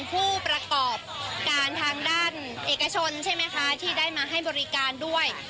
ผู้ประกอบการทางด้านเอกชนใช่ไหมคะที่ได้มาให้บริการด้วย